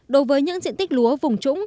đối với những diện tích lúa vùng trũng